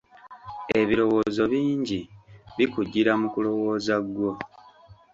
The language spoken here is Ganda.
Ebirowoozo bingi bikujjira mu kulowooza gwo.